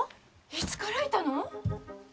いつからいたの？